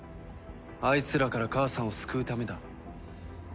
あいつらから母さんを救うためだ。